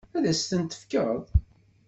Ad as-ten-tefkeḍ?